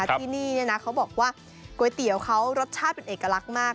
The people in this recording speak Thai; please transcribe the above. ที่นี่เขาบอกว่าก๋วยเตี๋ยวเขารสชาติเป็นเอกลักษณ์มาก